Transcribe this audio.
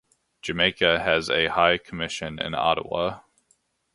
Jamaica has a high commission in Ottawa.